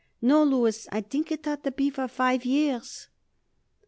No, Louis, I think it ought to be for five years."